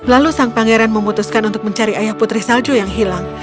lalu sang pangeran memutuskan untuk mencari ayah putri salju yang hilang